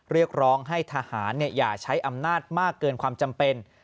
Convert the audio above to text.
เรียกร้องให้ทหารอย่าใช้อำนาจมากเกินความจำเป็น